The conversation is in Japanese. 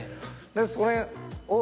でそれを。